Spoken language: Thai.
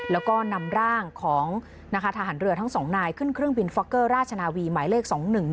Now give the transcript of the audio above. แล้วก็นำร่างของทหารเรือทั้ง๒นายขึ้นเครื่องบินฟอกเกอร์ราชนาวีหมายเลข๒๑๑